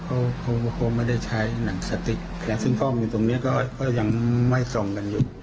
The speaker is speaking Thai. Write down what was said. เขาคงไม่ได้ใช้หนังสติ๊กซึ่งกล้องอยู่ตรงนี้ก็ยังไม่ส่งกันอยู่